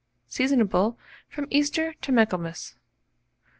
Seasonable from Easter to Michaelmas.